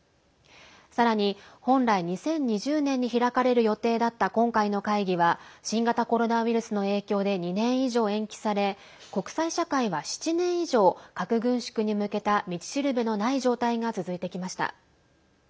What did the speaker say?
さらに本来２０２０年に開かれる予定だった今回の会議は新型コロナウイルスの影響で２年以上延期され国際社会は７年以上核軍縮に向けた道しるべのない状態が続いてきました。